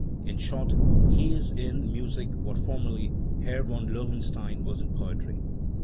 In short, he is in music what formerly Herr von Lohenstein was in poetry.